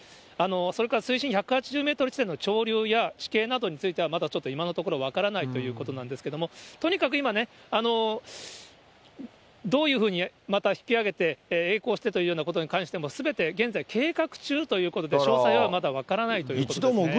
それから水深１８０メートル地点の潮流や地形などについてはまだちょっと今のところ分からないということなんですけれども、とにかく今、どういうふうにまた引き揚げて、えい航してというようなことに関しても、すべて現在、計画中ということで、詳細はまだ分からないということですね。